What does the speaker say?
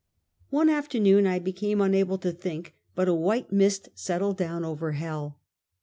One afternoon I became unable to think, but a white mist settled down over hell.